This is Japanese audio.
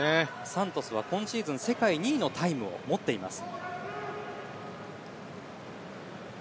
サントスは今シーズン世界２位のタイムを持っています。